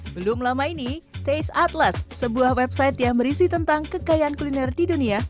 belum lama ini taste atlas sebuah website yang merisi tentang kekayaan kuliner di dunia